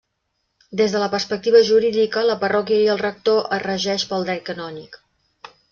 Des de la perspectiva jurídica la parròquia i el rector es regeix pel dret canònic.